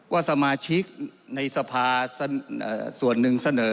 ว่าสมาชิกในสภาส่วนหนึ่งเสนอ